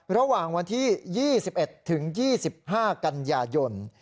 ระหว่างวันที่๒๑ถึง๒๕กันยายน